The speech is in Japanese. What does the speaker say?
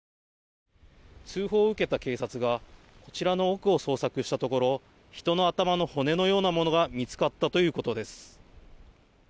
通報を受けた警察がこちらの奥を捜索したところ人の頭の骨のようなものが見つかったということです。